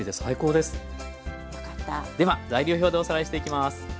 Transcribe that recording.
では材料表でおさらいしていきます。